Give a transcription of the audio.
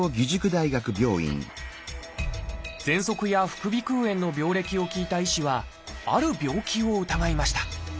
ぜんそくや副鼻腔炎の病歴を聞いた医師はある病気を疑いました